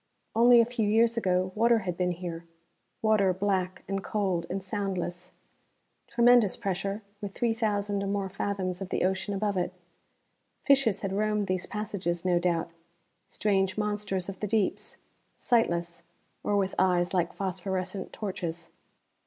Only a few years ago water had been here, water black and cold and soundless. Tremendous pressure, with three thousand or more fathoms of the ocean above it. Fishes had roamed these passages, no doubt. Strange monsters of the deeps: sightless, or with eyes like phosphorescent torches.